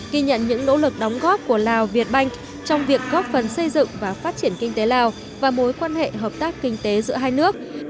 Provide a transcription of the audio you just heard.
kỳ nhận những nỗ lực đóng góp của lào việt banh trong việc góp phần xây dựng và phát triển kinh tế lào và mối quan hệ hợp tác kinh tế giữa hai nước